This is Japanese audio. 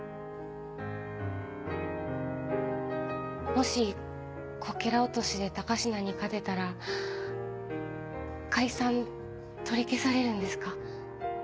もしこけら落としで高階に勝てたら解散取り消されるんですか？